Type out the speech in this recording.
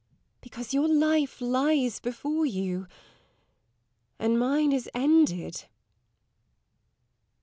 Because your life lies before you, and mine is ended.